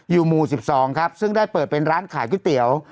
หมู่๑๒ครับซึ่งได้เปิดเป็นร้านขายก๋วยเตี๋ยว